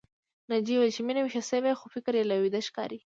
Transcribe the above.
ناجيې وويل چې مينه ويښه شوې خو فکر يې لا ويده ښکاري